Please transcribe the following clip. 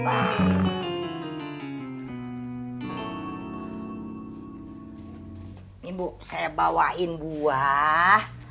ini bu saya bawain buah